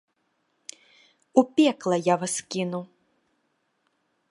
У пекла я вас кіну!